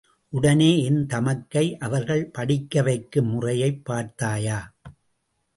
உடனே என் தமக்கை, அவர்கள் படிக்கவைக்கும் முறையைப் பார்த்தாயா?